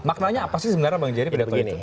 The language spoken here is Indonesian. maknanya apa sih sebenarnya bang jary pidato itu